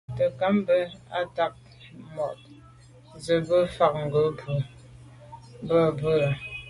Te'nkam bə́ á tà' ndàp zə̄ bú nǔm fá ŋgǒngǒ zə̄ bū cûm lɑ̂' mvə̀ Ba'Bu.